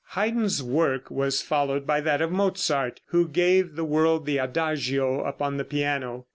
Haydn's work was followed by that of Mozart, who gave the world the adagio upon the piano.